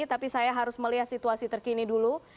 tapi saya harus melihat situasi terkini dulu